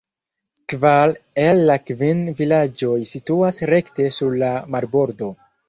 Kvar el la kvin vilaĝoj situas rekte sur la marbordo.